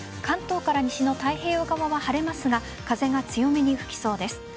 関東から西の太平洋側は晴れますが風が強めに吹きそうです。